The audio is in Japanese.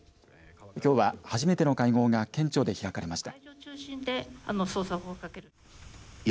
きょうは初めての会合が県庁で開かれました。